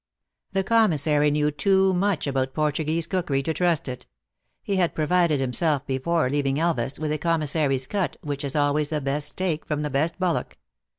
The commissary knew too much about Portuguese cookery to trust to it. He had provided himself be 142 THE ACTRESS IN HIGH LIFE. fore leaving Elvas with the commissary s cut, which is always the best steak from the best bullock.